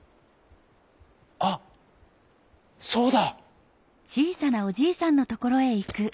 あっそうだ！」。